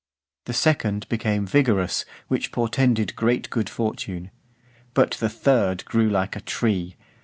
The second became vigorous, which portended great good fortune; but the third grew like a tree.